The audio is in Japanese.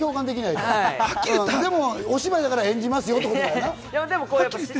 でもお芝居だから演じますよってことだよな。